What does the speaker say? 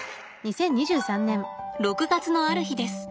６月のある日です。